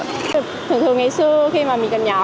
thường thường ngày xưa khi mà mình còn nhỏ